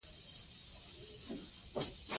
د افغانستان په منظره کې چنګلونه ښکاره ده.